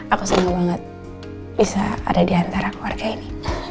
aku senang banget bisa ada di antara keluarga ini